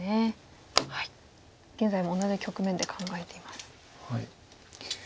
現在も同じ局面で考えています。